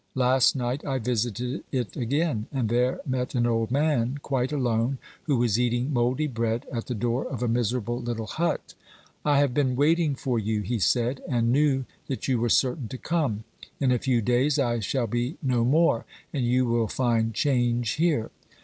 Last night I visited it again, and there met an old man, quite alone, who was eating mouldy bread at the door of a miserable littie hut. "I have been waiting for you," he said, "and knew that you were certain to come; in a few days I shall be no more, and you will find change here."